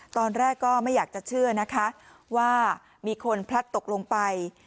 ตอนแรกก็ไม่อยากจะเชื่อนะคะว่ามีคนพลัดตกลงไป